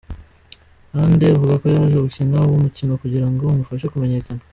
Hadi avuga ko yaje gukina uwo mukino kugira ngo umufashe kumenyekana.